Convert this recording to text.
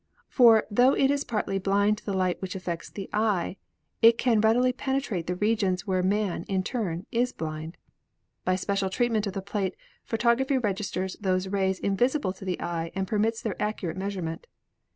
For tho it is partly b'ind to the light which affects the eye, it can readily penetrate the regions where man, in turn, is blind. By special treatment of the plate photography registers those rays invisible to the eye and permits their accurate measurement.